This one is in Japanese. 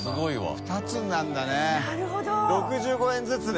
２つになるんだね。